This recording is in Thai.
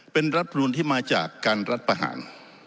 เป็นรัฐมนูลที่มาจากการรัฐประหาร